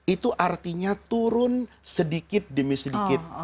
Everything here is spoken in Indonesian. itu artinya turun sedikit demi sedikit